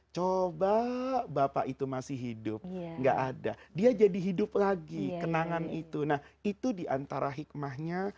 coba bapak itu masih hidup nggak ada dia jadi hidup lagi kenangan itu nah itu diantara hikmahnya